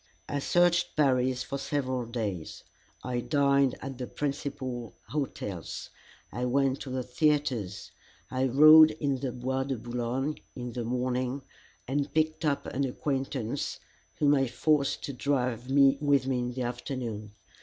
I searched Paris for several days. I dined at the principal hotels; I went to the theatres; I rode in the Bois de Boulogne in the morning, and picked up an acquaintance, whom I forced to drive with me in the afternoon.